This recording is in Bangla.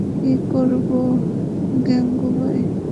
কি করবো, গাঙুবাই?